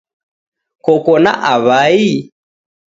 Koko na awai?